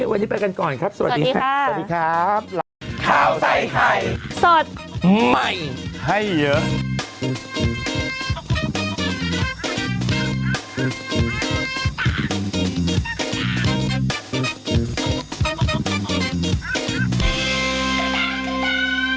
วันนี้ไปกันก่อนครับสวัสดีค่ะสวัสดีครับแล้วสวัสดีค่ะ